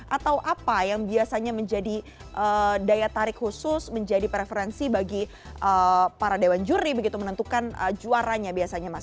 atau apa yang biasanya menjadi daya tarik khusus menjadi preferensi bagi para dewan juri begitu menentukan juaranya biasanya mas